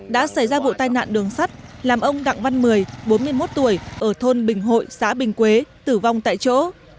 đã xảy ra vụ tai nạn đường sắt làm ông đặng văn mười bốn mươi một tuổi ở thôn bình hội xã bình quế tử vong tại chỗ